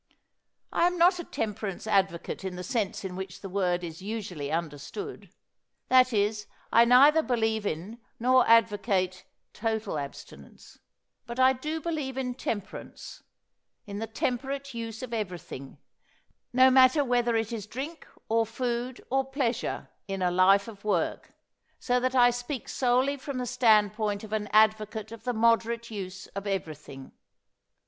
I am not a temperance advocate in the sense in which the word is usually understood. That is, I neither believe in nor advocate total abstinence; but I do believe in temperance in the temperate use of everything; no matter whether it is drink, or food, or pleasure, in a life of work, so that I speak solely from the standpoint of an advocate of the moderate use of everything.